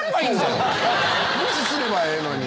無視すればええのに。